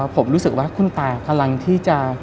ผมรู้สึกว่าคุณตากำลังที่จะ